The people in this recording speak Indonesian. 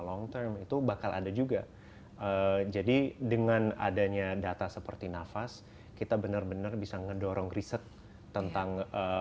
long term itu bakal ada juga jadi dengan adanya data seperti nafas kita benar benar bisa mendorong riset tentang